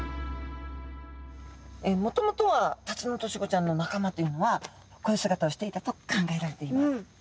もともとはタツノオトシゴちゃんの仲間というのはこういう姿をしていたと考えられています。